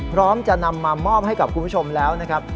พร้อมจะนำมามอบให้กับคุณผู้ชมแล้วนะครับ